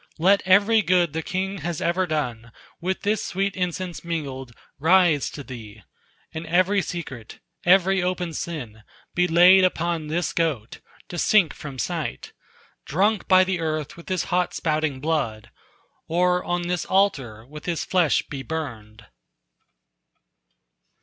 Let every good the king has ever done With this sweet incense mingled rise to thee; And every secret, every open sin Be laid upon this goat, to sink from sight, Drunk by the earth with his hot spouting blood, Or on this altar with his flesh be burned."